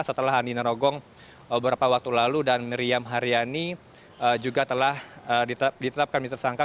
setelah andi narogong beberapa waktu lalu dan miriam haryani juga telah ditetapkan menjadi tersangka